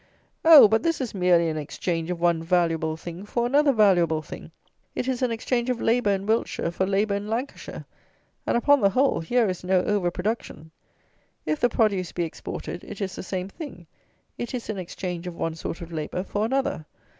Oh! but this is merely an exchange of one valuable thing for another valuable thing; it is an exchange of labour in Wiltshire for labour in Lancashire; and, upon the whole, here is no over production. If the produce be exported, it is the same thing: it is an exchange of one sort of labour for another.